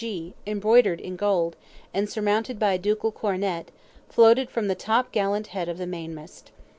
G., embroidered in gold, and surmounted by a ducal coronet, floated from the topgallant head of the main mast.